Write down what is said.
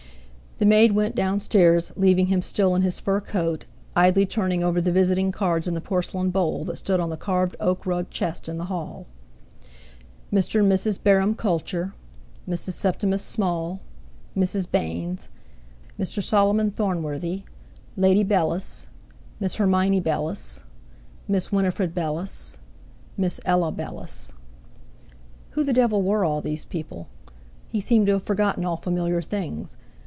The maid went downstairs, leaving him still in his fur coat, idly turning over the visiting cards in the porcelain bowl that stood on the carved oak rug chest in the hall. Mr. and Mrs. Bareham Culcher. Mrs. Septimus Small. Mrs. Baynes. Mr. Solomon Thornworthy. Lady Bellis. Miss Hermione Bellis. Miss Winifred Bellis. Miss Ella Bellis. Who the devil were all these people? He seemed to have forgotten all familiar things.